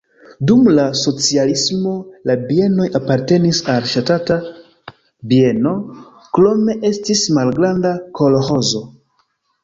Dum la socialismo la bienoj apartenis al ŝtata bieno, krome estis malgranda kolĥozo.